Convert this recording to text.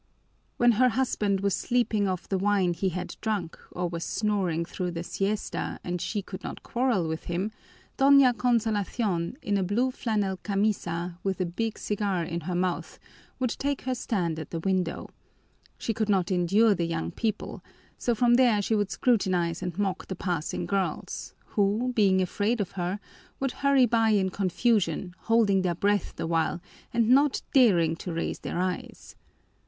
When her husband was sleeping off the wine he had drunk, or was snoring through the siesta, and she could not quarrel with him, Doña Consolacion, in a blue flannel camisa, with a big cigar in her mouth, would take her stand at the window. She could not endure the young people, so from there she would scrutinize and mock the passing girls, who, being afraid of her, would hurry by in confusion, holding their breath the while, and not daring to raise their eyes.